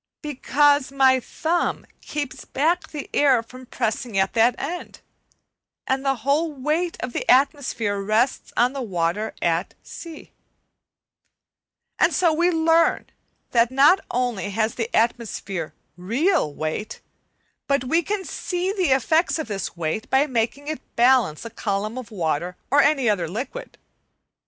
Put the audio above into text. Because my thumb keeps back the air from pressing at that end, and the whole weight of the atmosphere rests on the water at the other end. And so we learn that not only has the atmosphere real weight, but we can see the effects of this weight by making it balance a column of water or any other liquid.